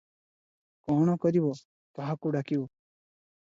କ’ଣ କରିବ, କାହାକୁ ଡାକିବ।